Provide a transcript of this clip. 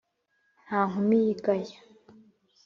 Nta nkumi yigaya.